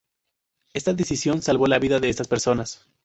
Esta decisión salvó la vida de estas personas.